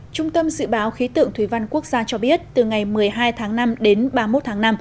trung tâm dự báo khí tượng thủy văn quốc gia cho biết từ ngày một mươi hai tháng năm đến ba mươi một tháng năm